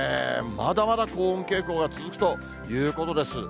まだまだ高温傾向が続くということです。